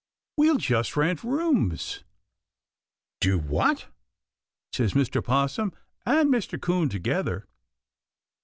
"We'll just rent rooms." "Do what?" says Mr. 'Possum and Mr. 'Coon together.